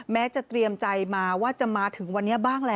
แม้จะเตรียมใจมาว่าจะมาถึงวันนี้บ้างแล้ว